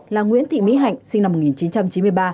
là nguyễn thị mỹ hạnh sinh năm một nghìn chín trăm chín mươi ba